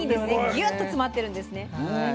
ギュッと詰まってるんですね。